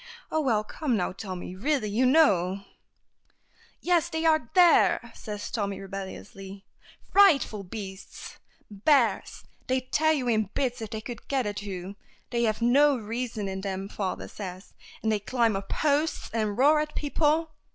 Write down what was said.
Oh, well, come now, Tommy, really, you know " "Yes; they are there," says Tommy, rebelliously. "Frightful beasts! Bears! They'd tear you in bits if they could get at you. They have no reason in them, father says. And they climb up posts, and roar at people."